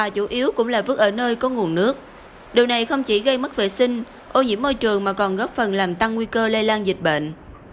chủ yếu cũng là vứt ở nơi có nguồn nước điều này không chỉ gây mất vệ sinh ô nhiễm môi trường mà còn góp phần làm tăng nguy cơ lây lan dịch bệnh